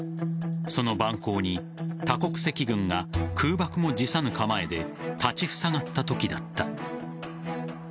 その蛮行に多国籍軍が空爆も辞さぬ構えで立ちふさがったときだった。